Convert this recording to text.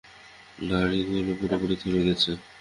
গাড়িগুলো পুরোপুরি থেমে গেছে।